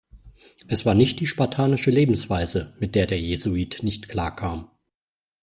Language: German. Es war nicht die spartanische Lebensweise, mit der der Jesuit nicht klar kam.